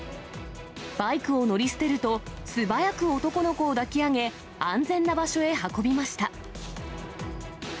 バイクを乗り捨てると、素早く男の子を抱き上げ、安全な場所へ運びました。